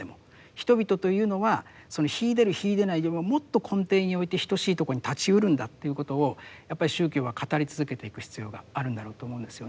人々というのは秀でる秀でないよりももっと根底において等しいとこに立ちうるんだということをやっぱり宗教は語り続けていく必要があるんだろうと思うんですよね。